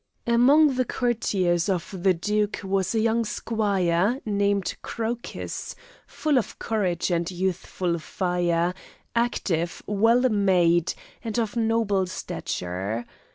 Among the courtiers of the duke was a young squire, named Crocus, full of courage and youthful fire, active, well made, and of noble stature.